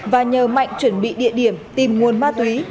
và nhờ mạnh chuẩn bị địa điểm tìm nguồn ma túy